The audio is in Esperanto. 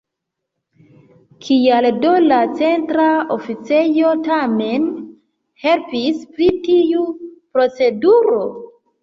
Kial do la Centra Oficejo tamen helpis pri tiu proceduro?